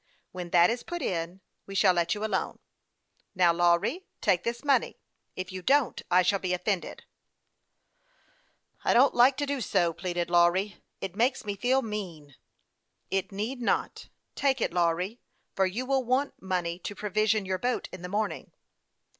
When that is put in, we shall let you alone. Now, Lawry, take this money ; if you don't, I shall be offended." " I don't like to do so," pleaded Lawry. " It makes me feel mean." THE YOUNG PILOT OF LAKE CHAMPLAIX. 24? " It need not ; take it, Lawry, for you will want money to provision your boat in the morning."